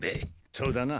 そうだな。